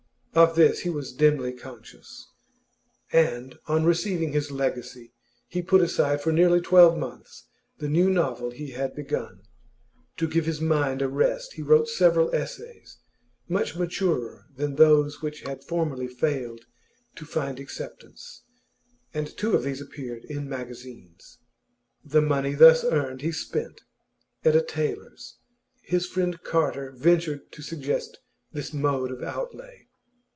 Of this he was dimly conscious, and, on receiving his legacy, he put aside for nearly twelve months the new novel he had begun. To give his mind a rest he wrote several essays, much maturer than those which had formerly failed to find acceptance, and two of these appeared in magazines. The money thus earned he spent at a tailor's. His friend Carter ventured to suggest this mode of outlay.